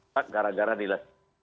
tak gara gara dilakukan